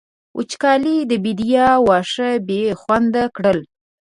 وچکالۍ د بېديا واښه بې خونده کړل.